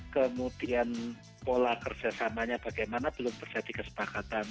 kemudian pola kerjasamanya bagaimana belum terjadi kesepakatan